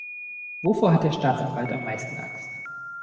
Wovor hat der Staatsanwalt am meisten Angst?